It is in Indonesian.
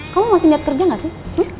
kamu masih niat kerja gak sih